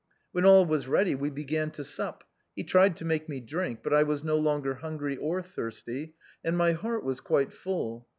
When all was ready we began to sup, he tried to make me drink, but I was no longer hungry or thirsty, and my heart was quite full.